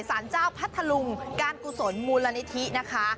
สารเจ้าพัทธลุงการกุศลมูลนิธินะคะ